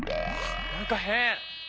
なんか変。